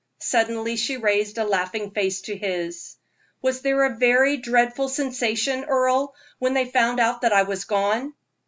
Suddenly she raised a laughing face to his. "Was there a very dreadful sensation, Earle, when they found out I was gone?"